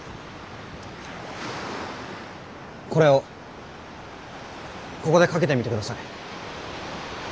これをここでかけてみてください。